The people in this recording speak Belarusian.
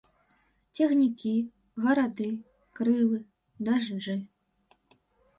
Цягнікі, гарады, крылы, дажджы.